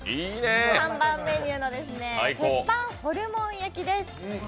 看板メニューの鉄板ホルモン焼きです。